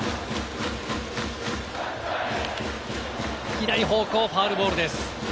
左方向、ファウルボールです。